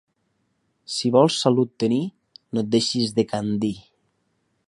Si vols salut tenir, no et deixis decandir.